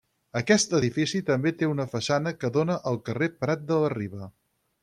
Aquest edifici també té una façana que dóna al carrer Prat de la Riba.